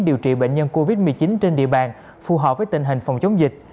điều trị bệnh nhân covid một mươi chín trên địa bàn phù hợp với tình hình phòng chống dịch